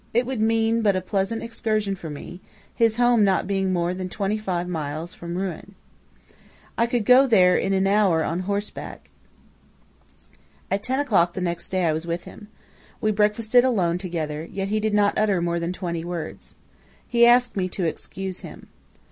It would mean but a pleasant excursion for me, his home not being more than twenty five miles from Rouen. I could go there in an hour on horseback. "At ten o'clock the next day I was with him. We breakfasted alone together, yet he did not utter more than twenty words. He asked me to excuse him.